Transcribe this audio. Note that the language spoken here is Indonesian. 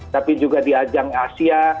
tapi juga di ajang asia